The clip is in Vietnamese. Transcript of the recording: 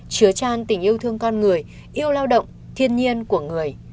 chứa tràn tình yêu thương con người yêu lao động thiên nhiên của người